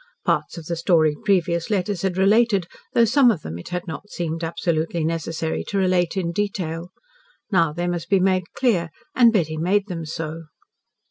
Parts of the story previous letters had related, though some of them it had not seemed absolutely necessary to relate in detail. Now they must be made clear, and Betty made them so.